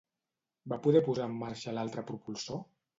Va poder posar en marxa l'altre propulsor?